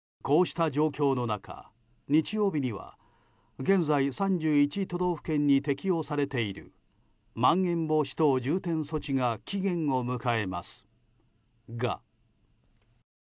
こうした状況の中、日曜日には現在３１都道府県に適用されているまん延防止等重点措置が期限を迎えます。